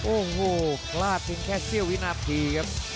โอ้โหพลาดถึงแค่สศิลป์วิริณาติภีร์ครับ